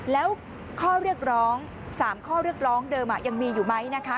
แล้วสามข้อเรียกร้องเดิมยังมีอยู่ไหมนะคะ